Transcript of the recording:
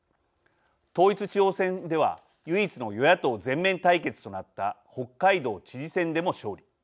統一地方選では唯一の与野党全面対決となった北海道知事選でも勝利。